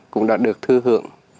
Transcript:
cũng đã được thư hưởng